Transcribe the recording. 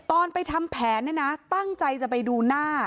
ตอนไปทำแผนเนี่ยนะตั้งใจจะไปดูหน้า